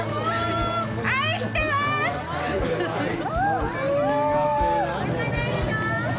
愛してます！